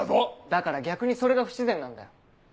⁉だから逆にそれが不自然なんだよ。